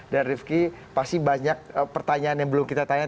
dan rifqi pasti banyak pertanyaan yang belum kita tanya